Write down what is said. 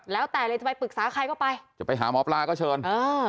แล้วแต่เลยจะไปปรึกษาใครก็ไปจะไปหาหมอปลาก็เชิญอ่า